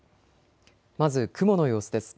まず雲の様子です。